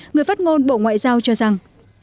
người phát ngôn bộ ngoại giao cho rằng